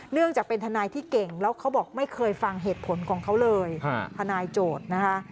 เนื่องจากเป็นทนายที่เก่งแล้วเขาบอกไม่เคยฟังเหตุผลของเขาเลยทนายโจทย์นะคะ